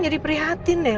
jadi prihatin deh